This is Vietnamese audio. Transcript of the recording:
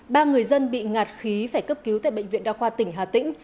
ba người dân bị ngạt khí phải cấp cứu tại bệnh viện đa khoa tỉnh hà tĩnh